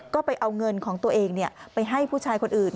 ก็ไปเอาเงินของตัวเองไปให้ผู้ชายคนอื่น